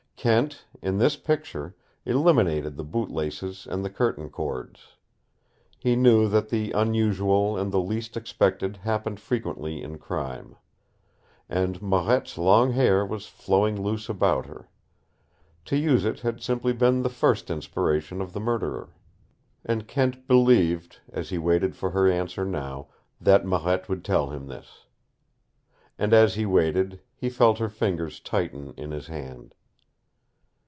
Kent, in this picture, eliminated the boot laces and the curtain cords. He knew that the unusual and the least expected happened frequently in crime. And Marette's long hair was flowing loose about her. To use it had simply been the first inspiration of the murderer. And Kent believed, as he waited for her answer now, that Marette would tell him this. And as he waited, he felt her fingers tighten in his hand.